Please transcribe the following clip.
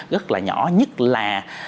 rất là nhỏ nhất là